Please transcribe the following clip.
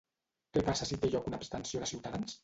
Què passa si té lloc una abstenció de Ciutadans?